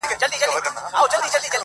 نه یې مال نه یې دولت وي ورته پاته.!